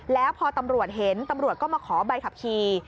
แล้วพอตำรวจเห็นตำรวจก็มาขอใบขับขี่